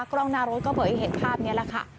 กล้องหน้ารถก็เผยเหตุภาพนี้แหละค่ะ